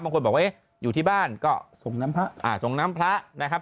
บางคนบอกว่าอยู่ที่บ้านก็ส่งน้ำพระส่งน้ำพระนะครับ